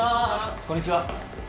こんにちは